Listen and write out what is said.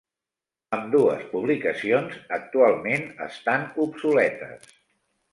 Ambdues publicacions actualment estan obsoletes